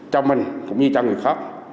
cho mình cũng như cho người khác